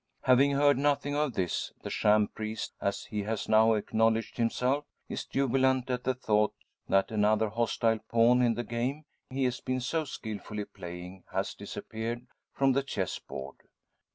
Having heard nothing of this, the sham priest as he has now acknowledged himself is jubilant at the thought that another hostile pawn in the game he has been so skilfully playing has disappeared from the chess board.